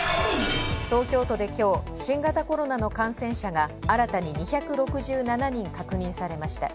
新型コロナの感染者が新たに２６７人確認されました。